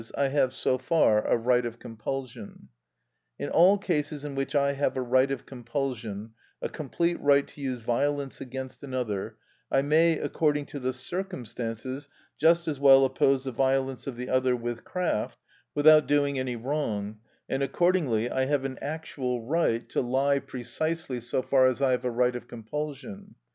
_, I have so far a right of compulsion. In all cases in which I have a right of compulsion, a complete right to use violence against another, I may, according to the circumstances, just as well oppose the violence of the other with craft without doing any wrong, and accordingly I have an actual right to lie precisely so far as I have a right of compulsion.